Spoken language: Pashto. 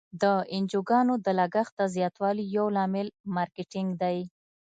د انجوګانو د لګښت د زیاتوالي یو لامل مارکیټینګ دی.